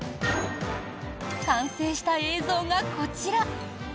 完成した映像がこちら。